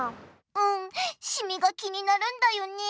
うんシミが気になるんだよね